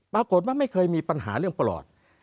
ปรากฏว่าไม่เคยมีปัญหาเรื่องประหลอด